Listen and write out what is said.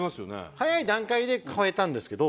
早い段階で変えたんですけど。